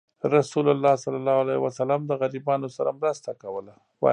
رسول الله صلى الله عليه وسلم د غریبانو سره مرسته کوله.